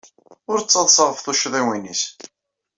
Ur ttaḍsa ɣef tuccḍiwin-nnes.